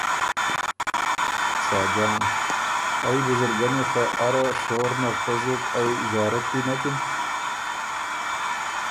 ساجان ـــ ائ بزرګنی خه اره شور نر پزُک ائ ݫارتی نکِن؟